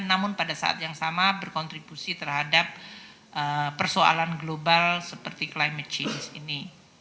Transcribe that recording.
namun pada saat yang sama berkontribusi terhadap persoalan global seperti climate change ini